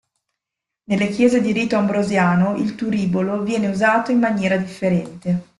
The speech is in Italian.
Nelle chiese di rito ambrosiano il turibolo viene usato in maniera differente.